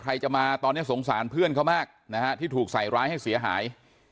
ใครจะมาตอนนี้สงสารเพื่อนเขามากนะฮะที่ถูกใส่ร้ายให้เสียหาย